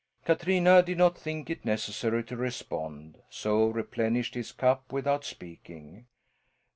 Katrina did not think it necessary to respond; so replenished his cup without speaking.